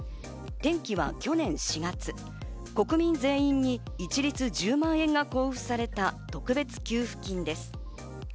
転機は去年４月、国民全員に一律１０万円が交付された特別給付金です。